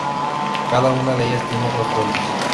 Cada una de ellas tiene dos fuentes.